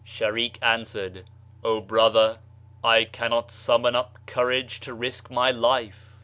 Shareek answered, "O brother, I cannot sum mon up courage to risk my life."